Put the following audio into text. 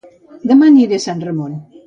Dema aniré a Sant Ramon